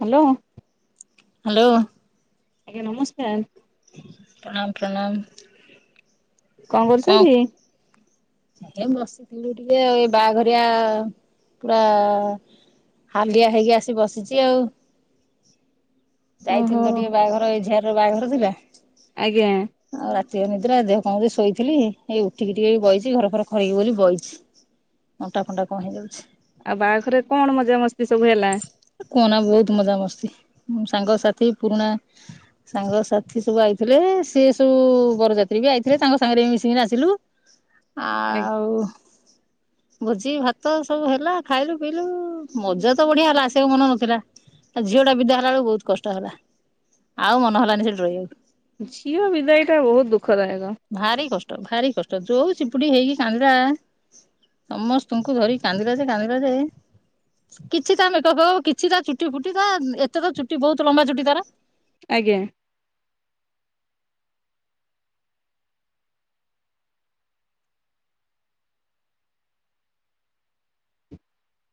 Hello hello ଆଜ୍ଞା ନମସ୍କାର ପ୍ରଣାମ ପ୍ରଣାମ କଣ କରୁଛନ୍ତି ହେ ବସିଥିଲୁ ଟିକେ ଆଉ ଏଇ ବାହାଘରିଆ ପୁରା ହାଲିଆ ହେଇକି ଆସି ବସିଛି ଆଉ ଓହୋ ଯାଇଥିଲ ତ ଟିକେ ବାହାଘର ଏଝିଅ ର ବାହାଘର ଥିଲା। ଆଜ୍ଞା। ଦେହ ନିଦ୍ରା ଦେହ କଣ ଶୋଇଥିଲ ଏଇ ଉଠିକି ଟିକେ ବଇଛି। ଘର ଫରେ ଖରିକିବି ବୋଲି ବହିଛି ଅଣ୍ଟା ଫଣ୍ଟା କଣ ହେଇଯାଉଛି। ଆଉ ବାହାଘରେ କଣ ମଜା ମସ୍ତି କୁହନା ବହୁତ ମଜା ମସ୍ତି। ସାଙ୍ଗସାଥି ପୁରୁଣା ସାଙ୍ଗସାଥି ସବୁ ଆଇଥିଲେ ସେ ସବୁ ବରଯାତ୍ରୀ ବି ଆଇଥିଲେ ତାଙ୍କ ସାଙ୍ଗରେ ମିଶିକି ନାଚିଲୁ। ଆଉ ଭୋଜି ଭାତ ସବୁ ହେଲା ଖାଇଲୁ ପିଇଲୁ ମଜା ବଢିଆ ହେଲା ସେ ମନ ନଥିଲା ଝିଅ ଟା ବିଦା ହେଲା ବେଳକୁ ବହୁତ କଷ୍ଟ ହେଲା। ଆଉ ମନ ହେଲାନି ସେଠି ରହିବାକୁ। ଝିଅ ବିଦାଇଟା ବହୁତ ଦୁଃଖ ଦାୟକ। [inaudible] ଭାରି କଷ୍ଟ ଭାରି କଷ୍ଟ ଯୋଉ ଚିପୁଡି ହେଇକି କାନ୍ଦିଲା ସମସ୍ତଙ୍କୁ ଧରି କାନ୍ଦିଲା ଯେ କାନ୍ଦିଲା ଯେ କିଛି ତା ମେକପ୍ କିଛି ତା ଚୁଟି ଫୁଟି ତା ଏତେ ତ ଚୁଟି ବହୁତ ଲମ୍ବା ଚୁଟି ତାର। ଆଜ୍ଞା।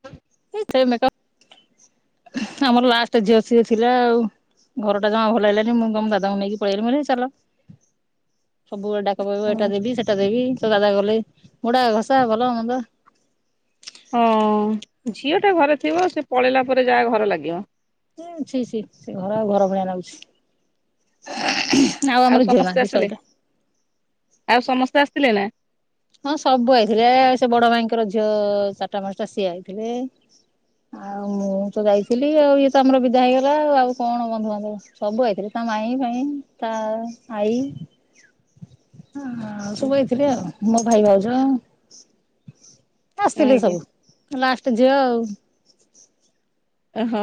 ହଁ। ଆମର ଲାଷ୍ଟ ଝିଅ ସିଏ ଥିଲା ଆଉ ଘରଟା ଜମା ଭଲ ହେଇଲାନି ମୁଁ ଦାଦାଙ୍କୁ ନେଇକି ପଳେଇଲି। ଚାଲ ସବୁବେଳେ କ କହ ଏଟା ଦେବି ସେଟା ଦେବି। ଦାଦା କଲେ ମୁୁଡା ଘସା ଭଲ ମନ୍ଦ। ହଁ ଝିଅ ଟା ଘରେ ଥିବ ସେ ପଳେଇଲା ପରେ ଯାହା ଘର ଲାଗିବ। ଛି ଛି ସେ ଘର ଆଉ ଘର ଭଳିଆ ଲାଗୁଛି। [unintelligible] ଆଉ ଆମର ଝିଅ ସମସ୍ତେ ନାହାନ୍ତି ଆସିଲେ ସଇଲ। ଆଉ ସମସ୍ତେ ଆସିଥିଲେ ନା। ହଁ ସବୁ ଆଇଥିଲେ ସେ ବଡ ଭାଇଙ୍କର ଝିଅ ଚାରିଟା ପାଞ୍ଚଟା ସିଏ ଆଇଥିଲେ। ଆଉ ମୁଁ ତ ଯାଇଥିଲି ଆଉ ଇଏ ତ ଆମର ବିଦା ହେଇଗଲା ଆଉ କଣ ବନ୍ଧୁବାନ୍ଧବ ସବୁ ଆଇଥିଲେ ତା ମାଇଁ ଫାଇଁ ତା ଆଇ ତା ଆଇ। ହ ଆଉ ସବୁଆଇଥିଲେ ଆଉ। ମୋ ଭାଇ ଭାଉଜ। ଆସିଥିଲି ଆଜ୍ଞା ସବୁ ଲାଷ୍ଟ ଝିଅ ଆଉ। ଓହୋ।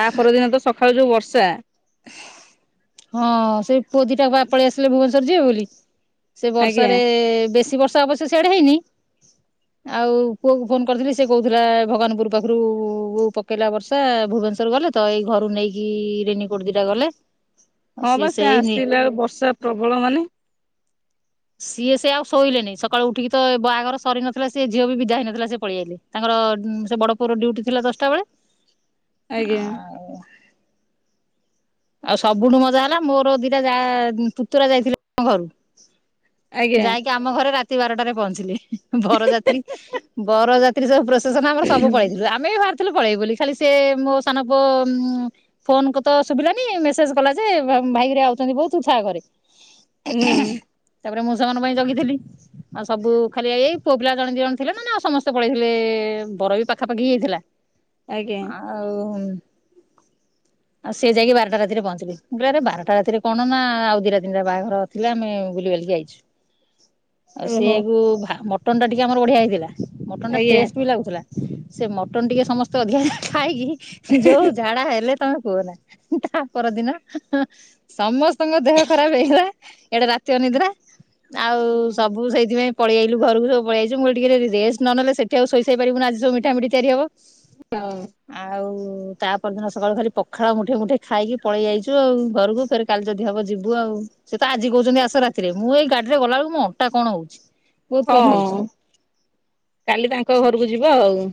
ତା ପରଦିନ ତ ସ ସକାଳୁ ଯୋଉ ବର୍ଷା। [inaudible] ହଁ ସେଇ ପୁଅଦୀଟା ପଳେଇ ଆସିଲେ ଭୁବନେଶ୍୍ୱର ଯିବେ ବୋଲି। ସେ ଆଜ୍ଞା ବର୍ଷାରେ ବେଶୀ ବର୍ଷା ଅବଶ୍ୟ ସିଆଡା ହେଇନି। ଆଉ ପୁଅ କୁ ଫୋନ କରିଥିଲି ସେ କହୁଥିଲା ଭଗବାନପୁର ପାଖରୁ ପକେଇଲା ବର୍ଷା ଭୁବନେଶ୍ଵର ଗଲେ ତ ଏଇ ଘରୁ ନେଇକି ରେନି କୋଟ ଦିଟା ଗଲେ। ହଁ ପା ସେ ସେଇ ଆସିଲା ବେଳକୁ ବର୍ଷା ପ୍ରବଳ ମାନେ। ସିଏ ସେ ଆଉ ଶୋଇଲେନି ସକାଳୁ ଉଠିକି ତ ବାହାଘର ସରି ନଥିଲା ସିଏ ଝିଅ ବିଦା ହେଇନଥିଲା ସଏ ପଳେଇଆଇଲେ। ତାଙ୍କର ସେ ବଡ ପୁଅର ଡୁଉଟି ଥିଲା ଦଶଟା ବେଳେ। ଆଜ୍ଞା। ଆଉ ଆଉ ସବୁଠୁ ମଜା ହେଲା ମୋର ଦିଟା ଯା ପୁତୁରା ଯାଇଥିଲି ଘରୁ। ଆଜ୍ଞା। ଯାଇକି ଆମ ଘରେ ରାତ ରାତି ବାରଟାରେ ପହଞ୍ଚିଲି। ବରଯାତ୍ରୀ ବରଯାତ୍ରୀ ସବୁ ପ୍ରଶେସନ ଆମର ସବୁ ପଳେଇଥିଲୁ ଆମେ ବି ଭା ପଳେଇ ବୋଲି ଖାଲି ସେ ମୋ ସାନ ପୁଅ ଫୋନ କୁ ତ ସୁବିଲାନି। ମେସେଜ କଲା ଯେ ଭାଇ ହରିକା ଆଉଛନ୍ତି ବୋଉ ତୁ‌ ଥା ଘରେ ହୁଁ । ତାପରେ ମୁଁ। ସେମାନଙ୍କ ପାଇଁ ଜଗିଥିଲି ଆଉ ସବୁ ଖାଲି ଏଇ ପୁଅ ପିଲା ଜଣେ ଦିଇ ଜଣ ଥିଲେ ନ ନେ ଆଉ ସମସ୍ତେ ପଳେଇଥିଲେ ବର ବି ପାଖାପାଖି ହେଇଥିଲା। ଆଜ୍ଞା ଆଉ। ଆଉ ସେ ଯାଇକି ବାର ବାରଟା ରାତିରେ ପହଞ୍ଚିଲି ଆରେ ବାରଟା ରାତିରେ କଣ ନା ଆଉ ଦି ତିନିଟା ବାହାଘର ଥିଲା ଆମେ ବୁଲି ବାଲିକି ଆଇଛୁ। ଆଉ ଓହୋ ସେଇଆ କୁ ଭା-ମ ଟନ ଟା ଟିକେ ଆମର ବଢିଆ ହେଇଥିଲା। ମଟନ୍ ଟା ଆଜ୍ଞା। ଟେଷ୍ଟ ବି ଲାଗୁଥିଲା। ସେ ମଟନ ଟିକେ ସମସ୍ତେ ଅଧିକା ଖାଇକି। ଯୋଉ ଝାଡା ହେଲେ। ତମେ କୁହନା। ତା ପରଦିନ ସମସ୍ତଙ୍କ ଦେହ ଖରାପ ହେଇଗଲା ଇଆଡେ ରାତି ଅନିଦ୍ରା। ଆଉ ହୁଁ ସବୁ ସେଇଥିପାଇଁ ପଳେଇଆଇଲୁ ଘରକୁ ସବୁ ପଳେଇଆଇଚୁ ମୁଁ କହିଲି ଟିକେ ରେଷ୍ଟ ନ ନେଲେ ସେଠି ଆଉ ଶୋଇପାରିବୁନୁ ଆଜି ସବୁ ମିଠା ମୁଠି ତିଆରି ହବ। ହଉ। ଆଉ। ତା ପରଦିନ ସକାଳୁ ଖାଲି ପଖାଳ ମୁଠେ ମୁଠେ ଖାଇକି ପଳେଇ ଯାଇଛୁ ଆଉ ଘରକୁ ଫେର କାଲି ଯଦି ହବ ଯିବୁ ଆଉ ସେ ତ ଆଜି କହୁଛନ୍ତି ଆସ ରାତିରେ ମୁଁ ଏଇ ଗାଡିରେ ଗଲା ବେଳକୁ ମୋ ଅଣ୍ଟା କଣ ହଉଛି? ବହୁତ ହଁ ପେନ୍ ହଉଛି କାଲି ତାଙ୍କ ଘରକୁ ଯିବ ଆଉ।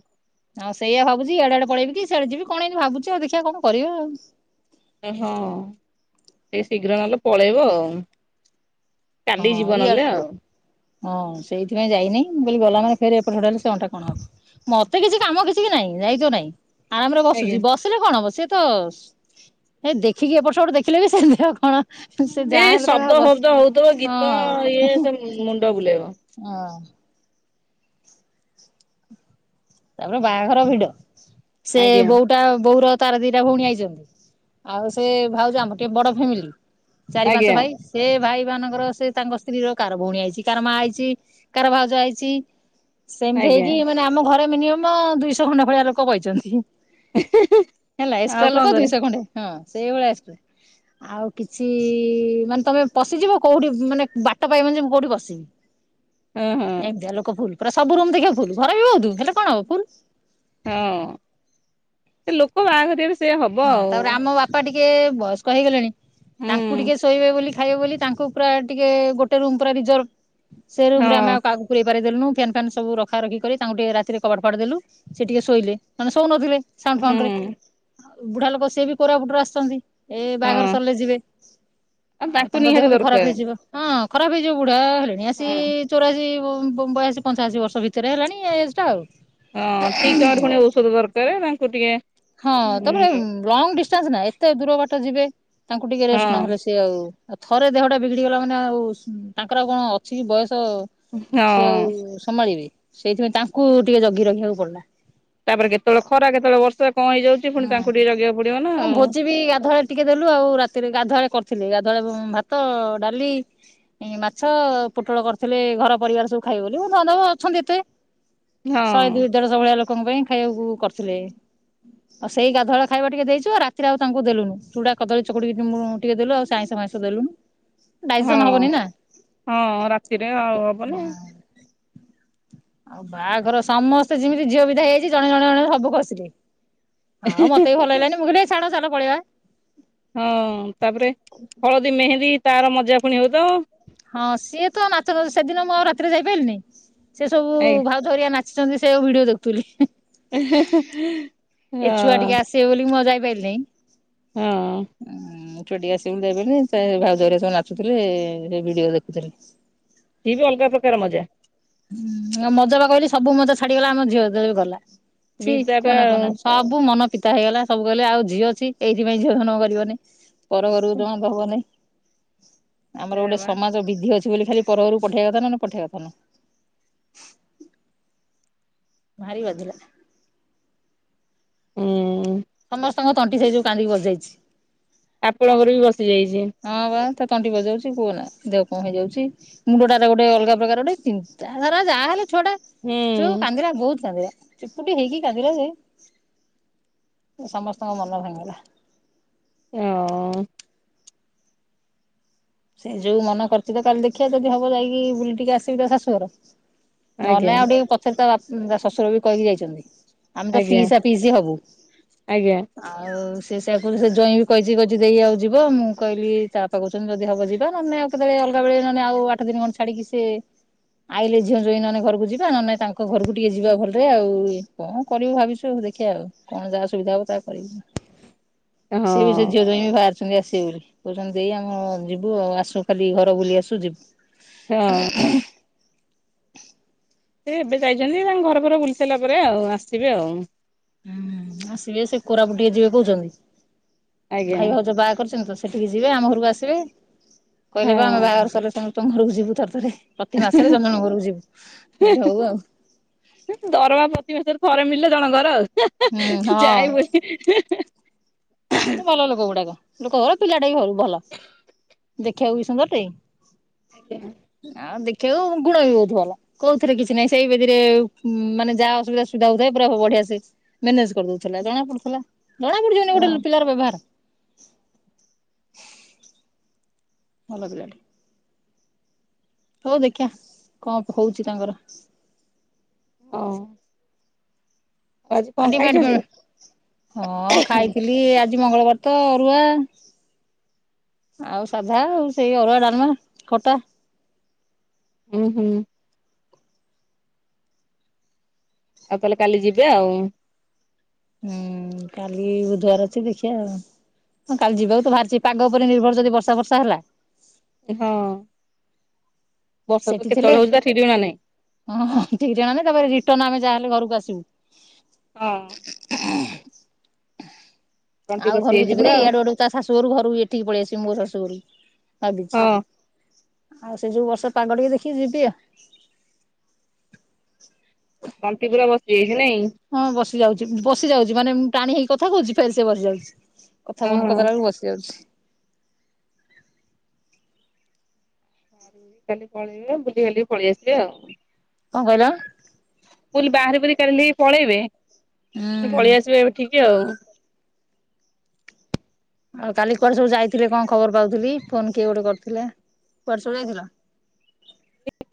ଆଉ ସେଇଆ ଭାବୁଛି ଏଇଡେ ଆଡେ ପଳେଇବି କି ସେଇଆଡେ ଯିବି କଣ ଏ ଭାବୁଛି ଆଉ ଦେଖିବା କଣ କରିବା ଆଉ? ହଁ ଟିକେ ଶୀଘ୍ର ନହେଲେ ପଳେଇବ ଆଉ। କାଲି ଯିବ ହଁ ନହେଲେ ଇଆଡେ ଆଉ। ହଁ ସେଇଥିପାଇଁ ଯାଇନି ବୋଲି ଗଲା ମାନେ ଫେର ଏପଟ ସେପଟ ହେଲେ ଅଣ୍ଟା କଣ ହବ ମତେ କିଛି କାମ କିଛି ବି ନାଇଁ ଦାୟିତ୍ଵ ନାହିଁ। ଆରାମ ରେ ଆଜ୍ଞା ବସୁଛି ବସିଲେ କଣ ହବ ସେ ତ ହେ ଦେଖିକି ଏପଟ ସେପଟ ଦେଖିଲେ ବି ସେମିତି ଆଉ କଣ? ସେ ଯାହା ଏଇ ହେଲେ ତମେ ଶବ୍ଦ ବସ ଶବ୍ଦ ହଉ। ତ ଗୀତ ହଁ ଇଏ ସେ ମୁଣ୍ଡ ବୁଲେଇବ। ହଁ। ତାପରେ ବାହାଘର ଭିଡ ସେ ଆଜ୍ଞା ବୋଉଟା ବୋଉର ତାରା ଦିଟା ଭଉଣୀ ଆଇଛନ୍ତି ଆଉ ସେ ଭାଉଛି ଆମର ଟିକେ ବଡ ଫ୍ୟାମିଲି ଚାରି ପାଞ୍ଚ ଆଜ୍ଞା ଭାଇ ସେ ଭାଇ ମାନଙ୍କର ସେ ତାଙ୍କ ସ୍ତ୍ରୀ ର କାର ଭଉଣୀ ଆଇଛି କାାର ମା ଆଇଛି କାାର ଭାଉଜ ଆଇଛି ସେମିତି ଆଜ୍ଞା ହେଇକି ମାନେ ଆମ ଘରେ ମିନିମ ଦୁଇଶହ ଖଣ୍ଡା ଭଳିଆ ଲୋକ କହିଛନ୍ତି ହେଲା ଏଷ୍ଟ ଆଉ ଲ କଣ କ ଦୁସ କରିବା କଣ୍ଡେ ହଁ ସେଇଭଳିଆ ଆସେ ଆଉ କିଛି ମାନେ ତମେ ପଶିଯିବ କୋଉଠି ମାନେ ବାଟ ପାଇବନ ଯେ ମୁଁ କୋଉଠି ପଶିବି ହଁ ହଁ। ଏକ ଦେ ଲୋକ ଫୁଲ ପୁର ସବୁ ଦେଖିବାଖହୁୁ ଘରେର ବି ବଉୁ ହେଲା କଣ ହ ପୁଲ ହଁ ଲୋକ ବାହାଘର ଏବେ ସେ ହବ ହଁ ଆଉ ତାପରେ ଆମ ବାପା ଟିକେ ବୟସ୍କ ହେଇଗଲେଣି ହୁଁ ତାଙ୍କୁ ଟିକେ ଶୋଇବେ ବୋଲି ଖାଇବ ବୋଲି ତାଙ୍କୁ ପୁରା ଟିକେ ଗୋଟେ ରୁମ ପ ରିଜର୍ଭ ସେୁମରେ ଆମେ ହଁ। କାକୁ ପୁର ାରି ଦେଲୁ ଫ୍ୟାନ୍ ଫ୍ୟାନ୍ ସବୁ ରଖ ରଖ କରି ତାଙ୍କୁ ଟିକେ ରାତିରେ କବାଡ ଫଟଡ଼ ଦେଲୁ ସେ ଟିକେ ଶୋଇଲେ ମାନେ ଶୋଉ ନଥିଲେ ସଣ ହୁଁ ଖଣ୍ଡି ହଁ ଉ ବୁଢା ଲୋକ ସେଏ ବି କୋରାପୁଟରେ ଆସିଛନ୍ତି ଏ ବାହାଘର ସରିଲେ ଯିବେ ଆଉ ତାଙ୍କୁ ତାଙ୍କ ନିହାତି ଦେହ ବି ଖରାପ ଦରକାର ହେଇଯିବ ହଁ ଖରାପ ହେଇଯାଉ ବୁଡା ଣି ଅସି ହଁ। ଚୋରା ବୟାୀ ପଞ୍ଚାଅଶୀ ବର୍ଷ ଭିତରେ ହେଲାଣି ଏଜ୍ ଟା ଆଉ ହଁ ଠିକ ଚ ହଣି ଔଷଧ ନାନ କୁଟିିକେ ହଁ ତାପ ଲ ନା ଏତେ ଦୂର ବାଟ ଯିବେ ତାଙ୍କୁ ଟିକେ ହଁ ରେଷ୍ଟ ନହେଲେ ସିଏ ଆଉ ଆଉ ଥରେ ଦେହଟା ବିଗିଡି ଗଲା ମାନେ ଆଉ ତାଙ୍କର କଣ ଅଛି କି ବୟସ। ତ ସିଏ ହଁ। ଆଉ ସମାଳିବେ। ସେଇଥିପାଇଁ ତାଙ୍କୁ ଟିକେ ଜଗି ରଖିବାକୁ ପଡିଲା। ତାପରେ କେତେବେଳେ ଖରା କେତେବେଳେ ବର୍ଷା। କଣ ହେଇଯାଉଛି ପୁଣି ତାଙ୍କୁ ଟିକେ ଜଗିବାକୁ ପଡିବ ନା ହୁଁ ଆଉ। ଭୋଜି ବି ଗାଧୁଆଳି ଟିକେ ଦେଲୁ ଆଉ ରାତିରେ ଗାଧୁଆ କରିଥିଲି। ବେଳେ ଭାତ, ଡାଲି, ମାଛ, ପୋଟଳ କରିଥିଲେ ଘର ପରିବାର ସବୁ ଖାଇବ ବୋଲି ଧର ଅଛନ୍ତି ଏତେ। ଶହେ ହଁ ଦେଢ଼ଶ ଭଳିଆ ଲୋକ। ଲୋକଙ୍କ ପାଇଁ ଖାଇବାକୁ କରିଥିଲେ। ଆଉ ସେଇ ଗାଧୁଆ ଖାଇବା ଟିକେ ଦେଇଛୁ ଆଉ ରାତିରେ ଆଉ ତାଙ୍କୁ ଦେଲୁନୁ ଚୁଡା କଦଳୀ ଚକୁଡି ଟିକେ ଦେଲୁ ଆଉ ସାାଇଁସ ମାାଇଁସ ଦେଲୁନୁ। ଡାଇଜେସନ ହବନି ହଁ- ନା ହଁ ରାତିରେ ଆଉ ହବ ନା । ଆଉ ବାହାଘର ସମସ୍ତେ ଯେମିତି ଝିଅ ବିିଦା ହେଇଯାଇଛି ଜଣେ ଜଣେ ଜଣେ ସବୁ ଖସିଲେ। ଆଉ ମତେ ବି ଭଲ ହେଲାନି ମୁଁ କହିଲି ଏ ଛାଡ ଚାଲ ପଳେଇବା। ହଁ ତାପରେ ହଳଦୀ ମେହେନ୍ଦୀ ତାର ମଜା ପୁଣି ହଉ ତ ହଁ ସିଏ ତ ନାଚ ସେଦିନ ମୁଁ ଆଉ ରାତିରେ ଯାଇପାରିଲିନି। ସେ ସବୁ ଏ ଭାଉଜ ହେରିକା ନାଚ ଆଛନ୍ତି ସେଉ ଆକୁ ଭିଡିଓ ଦେଖୁଥିଲି। ଏ‌ ହେଁ ହେଁ। ଏ ଛୁଆ ଟିକେ ଆସିବେ ବୋଲି ମୁ ଆଉ ଯା ବେଲେ। ହଁ ଟିକେ ଆସିବି ଦେବେନି ସେ ଭାଉଜରରେ ସବୁ ନାଚୁଥିଲେ ସେ ଭିଡିଓ ଦେଖୁଥିଲି। ସିଏ ବି ଅଲଗା ପ୍ରକାର ମଜା। ହୁଁ ମଜା ବା କହିଲି ସବୁ ମଜା ଛାଡିଗଲା ଆମ ଝିଅ ଯେବେ ଗଲା। ବିଦା ଠିକ ଟା କୁହନା କୁହନା ସବୁ ମନ ପ ହେଇଗଲା ସବୁ କଲେ ଆଉ ଝିଅ ଅଛି ଏଇଥିପାଇଁ ଝିଅ ଜନମ କରିବନି। ପର ଘରକୁ ଜଣ ହବନାଇଁ। ଆମର ସେଇଆ ଗୋଟେ ବା ସମାଜ ବିଧି ଅଛି। ବୋଲି ଖାଲି ପରଘର କୁ ପଠେଇବା କଥା ନ ପଠେଇବା କଥା ନୁ। ଭାରି ବାଧିଲା। ହୁଁ। ସମସ୍ତଙ୍କ ତଣ୍ଟି ସେଇ ଯୋଉ କାନ୍ଦିକି ବସ୍ ଯାଇଛି। ଆପଣଙ୍କର ବି ବସ ଯାଇଛି। ବା ତଣ୍ଟି ବଜାଉଛି କୁହ ନା ଦେହ କଣ ହେଇଯାଉଛି ମୁଣ୍ଡ ଟାରେ ଗୋଟେ ଅଲଗା ପ୍ରକାର ଗୋଟେ ଚିନ୍ତା ଧାରା ଯାହାହଲେ ଛୁଆଟା ହୁଁ ଯୋଉ କାନ୍ଦିଲା ବହୁତ କାନ୍ଦିଲା। ଚିପୁଟି ହେଇକି କାନ୍ଦିଲ ଯେ ସମସ୍ତଙ୍କ ମନ ଭାଙ୍ଗିଲା। ହଁ। ସେ ଯୋଉ ମନ କରିଛି ତ କାଲି ଦେଖିବା ଯଦି ହବ ଯାଇକି ବୁଲି ଟିକେ ଆସିବି ତ ଶାଶୁଘର। ନହେଲେ ଆଜ୍ଞା ଆଉ ଟିକେ ପଛରେ ତା ବା ଉଁ ତା ଶ୍ୱଶୁର ବି କହିକି ଯାଇଛନ୍ତି। ଆମେ ତ ଆଜ୍ଞା ପିଇସା ପିଇସି ହବୁ ଆଜ୍ଞା ଆଉ ସେ ସେଆକୁ ସେ ଜଇଁ ବି କହିଛି କହିଛି ଦେଇ ଆଉ ଯିବ ମୁଁ କହିଲି ତା ବାପା କୋଉଚନ୍ତି ଯଦି ହବ ଯିବା ନହେ ଆଉ କେତେବେଳେ ଅଲଗା ବେଳେ ନେ ଆଉ ଆଠ ଦିନ ଖଡେ ଛାଡିକି ସେ ଆଇଲେ ଝିଅ ଜୋଇଁ ନହେଲେ ଘରକୁ ଯିବା ନହେଲେ ତାଙ୍କ ଘରକୁ ଟିକେ ଯିବା ଭଲରେ ଆଉ କଣ କରିବୁ ଭାବିଛୁ ଆ ଦେଖିବାଆ ଆଉ କଣ ଯାହା ସୁବିଧା ହବ ତାହା କରିବୁ। ସେ ବି ସେ ହଁ ଝିଅ ଜୋଇଁ ବି ବାହାରି ପୁଣୀ ଆସିବେ ବୋଲି କରୁଛନ୍ତି ଦେଇ ଆମ ଯିବୁ ଆଉ ଆସୁ ଖାଲି ଘର ବୁଲି ଆସୁ ଯିବୁ। ହଁ। ସେ ଏବେ ଯାଇଛନ୍ତି ତାଙ୍କ ଘର ଫର ବୁଲି ସାରିଲା ପରେ ଆଉ ଆସିବେ ଆଉ। ହୁଁ ଆସିବେ ସେ କୋରାପୁଟ ଟିକେ ଯିବେ କହୁଛନ୍ତି। ଆଜ୍ଞା। ଭାଇ ଭାଉଜ ବାହା କରିଛନ୍ତି ତ ସେଠିକି ଯିବେ ଆମ ଘରକୁ ଆସିବେ ହଁ କହିଲେ ବା ଆମେ ବାହାଘର ସରିଲେ ତମ ତମ ଘରକୁ ଯିବୁ ଥରେ ଥରେ। ପ୍ରତି ମାସରେ ଜଣ ଜଣଙ୍କ ଘରକୁ ଯିବୁ। ମୁଁ କହିଲି ହଉ ଆଉ ହୁଁ ଦରମା ପ୍ରତିିବେଶରେ ଥରେ ମିଲ ଜଣଙ୍କର ଆଉ। ଯାଇ ବୁଲି ଭଲ ଲୋକ ଗୁଡ଼ାକ। ଲୋକ ଭଲ ପିଲାଟା ବି ଭଲ ଦେଖିବାକୁ ବି ସୁନ୍ଦର ଟେ। ଆ ଦେଖି ଉ ଗୁଣ ବି ବହୁତ ଭଲ କୋଉଥିରେ କିଛି ନାହିଁ ସେଇବେଦି ରେ ମାନେ ଯାହା ଅସୁବିଧା ସୁବିଧା ହଉଥାଏ ପୁରା ବଢିଆ ସେ ମେନେଜ କରିଦଉଥିଲା ଜଣା ପଡୁଥିଲା। ଯଣା ପଡ଼ିଯିବନି ଗୋଟେ ଲୋ ପିଲାର ବେଭାର। ଭଲ ପିଲା ଟେ। ହଉ ଦେଖିବା କଣ ହଉଛି ତାଙ୍କର। ହଁ। ଆଜି ଆ କଣ ଡିମାଟ୍ ଖାଇଛନ୍ତି? ଫିମା ହଁ ଖାଇଥିଲି ଆ ମଙ୍ଗଳବାର ତ ଅରୁଆ ଆଉ ସାଧା ଆଉ ସେଇ ଅରୁଆ, ଡାଲମା ଖଟା। ହୁଁ ହୁଁ। ଆଉ ତାହେଲେ କାଲି ଯିବେ ଆଉ। ହୁଁ କାଲି ବୁଧବାର ଅଛି ଦେଖିବା ଆଉ ହଁ କାଲି ଯିବାକୁ ତ ବାହାରିଛି ପାଗ ଉପରେ ନିର୍ଭର ଯଦି ବର୍ଷା ବର୍ଷା ହେଲା। ହଁ। ବର୍ଷା ତ ସେଠି ଥିଲେ କେତେବେଳେ ହଉଛି ତା ଠିକ୍ ଠିକଣା ନାହିଁ ହଁ ଠିକ୍ ଠିକଣା ନାଇଁ ତାପରେ ରିଟର୍ନ ଆମେ ଯାହାହଲେ ଘରକୁ ଆସିବୁ। ହଁ [unintelligible] ତଣ୍ଟି ଆଉ ବସି ଘରକୁ ଯାଇଛି ଯିବିନି ପୁରା ଆଉ ଏଇଆଡୁଆଡେ ତା ଶଶୁ ଘରକୁ ଏଠିକି ପଳଆସିବ ମୋ ସୁରୁ ଭାବିଛି। ହଁ ଆଉ ସେ ଯୋଉ ବର୍ଷ ପାଗ ଟିକେ ଦେଖିକି ଯିବି ଆ। ଟନ୍ତିପୁରା ବସିଯାଇଛି। ନାଇ। ବସି ଯାଉଛି ବସି ଯାଉଛି ମାନେ ଟାଣି ହେଇକି କଥା କହୁଛି ଫେରସେ ବସିଯାଉଛି। କଥା ବନ୍ଦ ଓହୋ କରି ଦେଲା ବେଳକୁ ବସି ଯାଉଛି। [unintelligible] କାଲି ପଳେଇବେ ବୁଲିିବାଲିକି ପଳେଇ ଆସିବେ ଆଉ। କଣ କହିଲ? ଫୁଲ ବାହାର ବୁହୁରି କରିଲେ ଏ ପଳେଇବେ। ପୁଣି ହୁଁ। ପଳେଇ ଆସିବେ ଏଠିକି। ତି ଆଉ। ଆଉ କାଲି କୁଆଡେ ସବୁ ଯାଇଥିଲ କଣ ଖବର ପାଉଥିଲି ଫୋନ କିଏ ଗୋଟେ କରିଥିଲା କୁଆଡେ ସବୁ ଯାଇଥିଲ?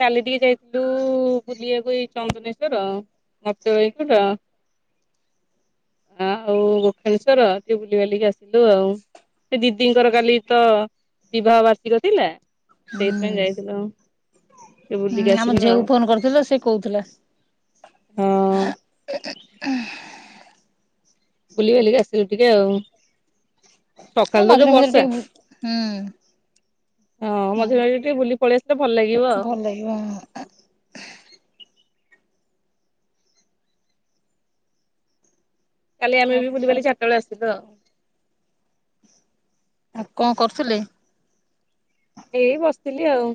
କାଲି ଟିକେ ଯାଇଥିଲୁ ବୁଲିବାକୁ ଏଇ ଚନ୍ଦନେଶ୍ଵର ଗୁପ୍ତେଶ୍ୱର। ଆଉ ଗୋଖଣେଶ୍ଵର ଟିକେ ବୁଲିିବାଲିକି ଆସିଲୁ ଆଉ ସେ ଦିଦିଙ୍କର କାଲି ତ ବିବାହ ବାର୍ଷିକ ଥିଲା। ହୁଁ ସେଇଥିପାଇଁ ଯାଇଥିଲୁ ଟିକେ ବୁଲିକି ହଁ ଆମ ଆସିଲୁ ଆଉ। ଝିଅକୁ ଫୋନ କରିଥିଲ ସେ କହୁଥିଲା। ହଁ ଉହ୍। ବୁଲି ବଲିକି ଆସିଲୁ ଟିକେ ଆଉ। ହଁ ସକାଳ ତ ଯୋଉ ମଝିରେ ମଝିରେ ବର୍ଷା ଟିକେ ହୁଁ। ହୁଁ। ହଁ ମଝିରେ ମଝିରେ ଟିକେ ବୁଲି ପଳେଇ ଆସିଲେ। ତେ ଭଲ ଲାଗିବ ଆଉ। ଭଲ ଲାଗିବ ହଁ। କାଲି ଆମ ଆଉ ବି ବୁଲି ବାଲିକି ଚାରିଟାରେ ଆସିଲୁ। ଥିଲୁ ଆଉ। ଆଉ କଣ କରୁଥିଲେ? ଏଇ ବସିଥିଲି ଆଉ।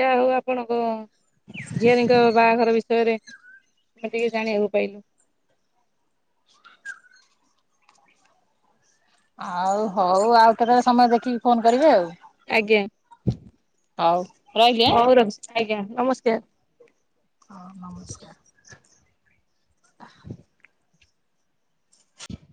ଯା ହଉ ଆପଣଙ୍କ ଝିଅରୀଙ୍କ ବାହାଘର ବିଷୟରେ ଆମେ ଟିକେ ଜାଣିବାକୁ ପାଇଲୁ। ଆଉ ହଉ ଆଉ କେତେବେଳେ ସମୟ ଦେଖିକି ଫୋନ କରିବ ଆଉ। ହ ହଉ ରହିଲି ଆ। ଆଜ୍ଞା ନମସ୍କାର। ହଁ ନମସ୍କାର। ଆହା।